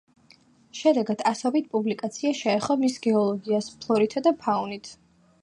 შედეგად, ასობით პუბლიკაცია შეეხო მის გეოლოგიას, ფლორითა და ფაუნით.